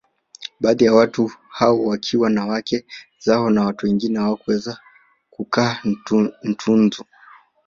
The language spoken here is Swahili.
Baadhi ya watu hao wakiwa na wake zao na watu wengine hawakuweza kukaa Ntunzu